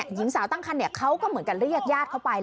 หญิงสาวตั้งคันเขาก็เหมือนกับเรียกญาติเข้าไป